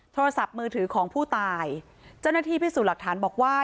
โทรศัพท์มือถือของผู้ตายเจ้าหน้าที่พิสูจน์หลักฐานบอกว่า